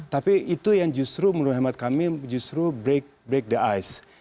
tapi itu yang justru menurut hemat kami justru break the ice